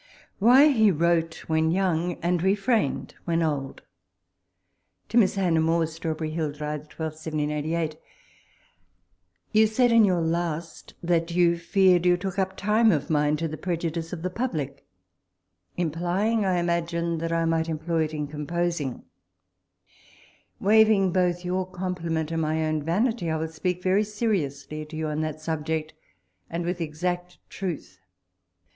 .. WHY Hf: WIIOTK WHHX YOlSG AXD RE tit mm: It \vHi:x orn. Tu Mi^^s Hannah More. Mrnirbcrr;/ HiU, Juhj 12, 178S. ... You said in your last that you feared you took up time of mine to the prejudice of the jjublic ; implying, T imagine, that I might employ it in composing. Waving both your compliment and my own vanity, I will speak very seriously to you on that subject, and with exact truth.